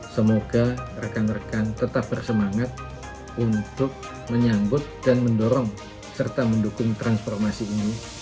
semoga rekan rekan tetap bersemangat untuk menyambut dan mendorong serta mendukung transformasi ini